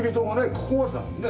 ここまでだもんね。